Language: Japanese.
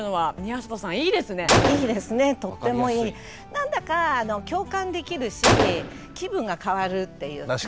なんだか共感できるし気分が変わるっていうか。